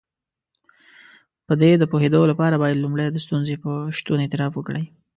په دې د پوهېدو لپاره بايد لومړی د ستونزې په شتون اعتراف وکړئ.